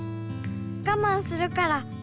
がまんするから。